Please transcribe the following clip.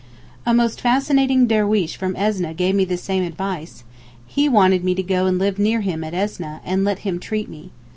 A most fascinating derweesh from Esneh gave me the same advice; he wanted me to go and live near him at Esneh, and let him treat me.